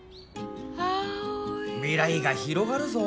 未来が広がるぞ。